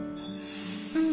うん。